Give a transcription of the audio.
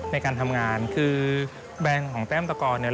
ในการทำงานคือแบรนด์ของแต้มตะกรเนี่ย